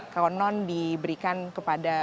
konon diberikan kepada